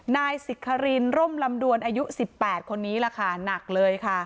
นายสิทธิ์คารินร่มลำดวนอายุสิบแปดคนนี้แหละค่ะหนักเลยค่ะ